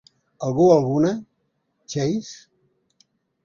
Algú, alguna? - Chase?